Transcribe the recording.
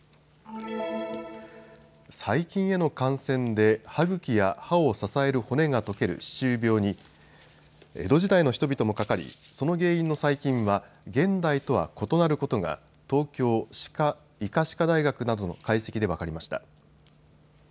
細菌への感染で歯ぐきや歯を支える骨が溶ける歯周病に江戸時代の人々もかかりその原因の細菌は現代とは異なることが東京医科歯科大学などの解析で分かりました。